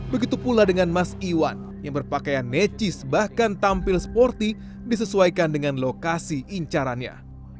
begitu pula dengan mas iwan yang berpakaian necis bahkan tampil sporty disesuaikan dengan lokasi incarannya